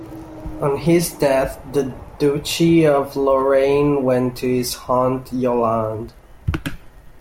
On his death the Duchy of Lorraine went to his aunt Yolande.